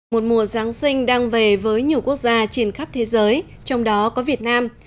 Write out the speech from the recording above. một mùa giáng sinh đang về với nhiều quốc gia trên khắp thế giới trong đó có việt nam